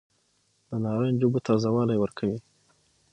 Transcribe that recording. د نارنج اوبه تازه والی ورکوي.